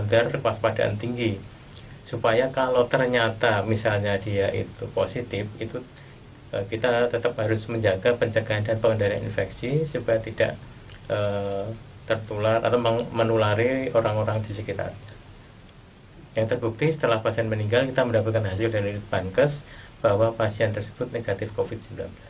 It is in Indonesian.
dan kita mendapatkan hasil dari litbangkes bahwa pasien tersebut negatif covid sembilan belas